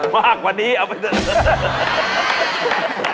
มากกว่านี้เอาไปเถอะ